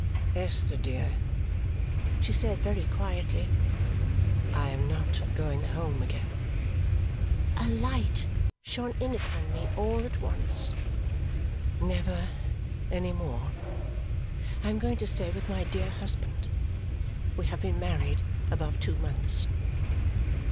"Esther, dear," she said very quietly, "I am not going home again." A light shone in upon me all at once. "Never any more. I am going to stay with my dear husband. We have been married above two months.